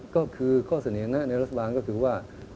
ก็คือข้อเสนอแนะในรัฐบาลก็คือว่า